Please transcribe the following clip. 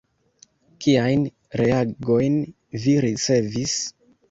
Kiajn reagojn vi ricevis?